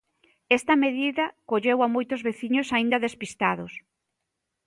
Esta medida colleu a moitos veciños aínda despistados.